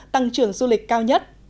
tăng trưởng du lịch cao nhất